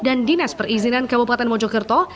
dan dinas perizinan kabupaten mojokerto